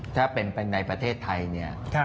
ถ้าเป็นในประเทศไทยเนี่ย